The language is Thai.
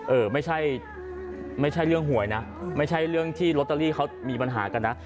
เออไม่ใช่ไม่ใช่เรื่องหวยนะไม่ใช่เรื่องที่ลอตเตอรี่เขามีปัญหากันนะ